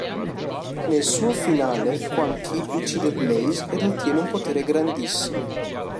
Nel suo finale, Quan Chi uccide Blaze ed ottiene un potere grandissimo.